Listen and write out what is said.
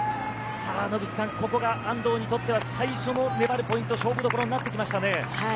野口さん、ここが安藤にとっての最初の粘るポイント勝負どころになってきましたね。